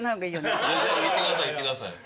言ってください言ってください